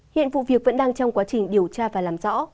hiện vụ việc vẫn đang trong quá trình điều tra và làm rõ